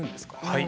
はい。